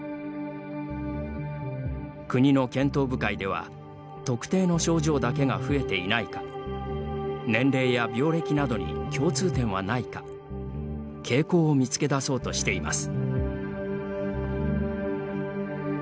国の検討部会では特定の症状だけが増えていないか年齢や病歴などに共通点はないか傾向を見つけ出そうとしています。